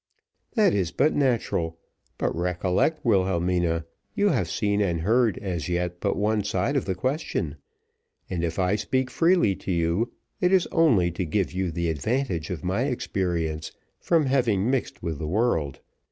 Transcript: "That is but natural; but recollect, Wilhelmina, you have seen and heard, as yet, but one side of the question; and if I speak freely to you, it is only to give you the advantage of my experience from having mixed with the world.